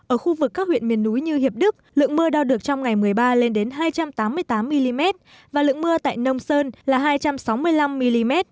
ở khu vực các huyện miền núi như hiệp đức lượng mưa đo được trong ngày một mươi ba lên đến hai trăm tám mươi tám mm và lượng mưa tại nông sơn là hai trăm sáu mươi năm mm